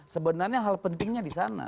sebenarnya hal pentingnya di sana